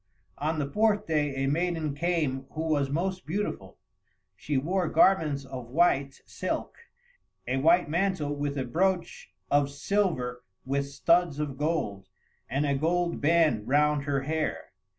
On the fourth day a maiden came who was most beautiful; she wore garments of white silk, a white mantle with a brooch of silver with studs of gold, and a gold band round her hair.